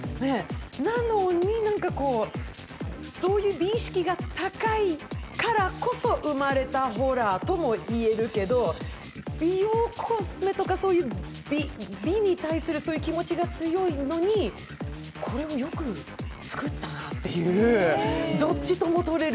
なのに、そういう美意識が高いからこそ生まれたホラーとも言えるけど美容、コスメとか美に対する気持ちが強いのにこれをよく作ったなという、どっちともとれる。